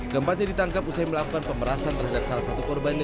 keempatnya ditangkap usai melakukan pemerasan terhadap salah satu korban